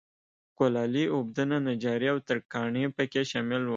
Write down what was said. کولالي، اوبدنه، نجاري او ترکاڼي په کې شامل و.